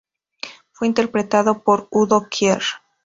Fue interpretado por Udo Kier.